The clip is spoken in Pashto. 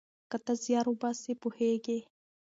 که ته زیار وباسې پوهیږې.